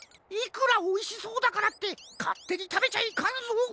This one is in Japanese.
いくらおいしそうだからってかってにたべちゃいかんぞ！